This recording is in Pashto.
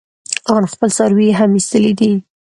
ان خپل څاروي يې هم ايستلي دي.